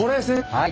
はい。